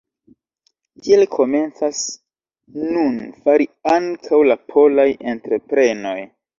Tiel komencas nun fari ankaŭ la polaj entreprenoj.